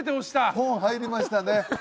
ポン入りましたね。